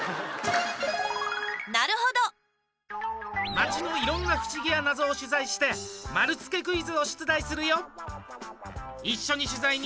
街のいろんな不思議や謎を取材して丸つけクイズを出題するよ。